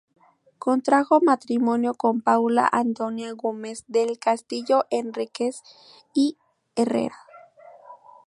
Contrajo matrimonio con Paula Antonia Gómez del Castillo Enríquez y Herrera.